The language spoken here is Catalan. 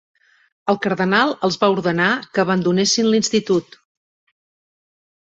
El cardenal els va ordenar que abandonessin l'institut.